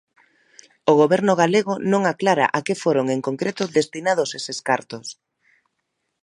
O Goberno galego non aclara a que foron en concreto destinados eses cartos.